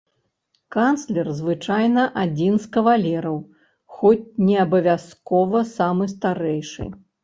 Канцлер звычайна адзін з кавалераў, хоць не абавязкова самы старэйшы.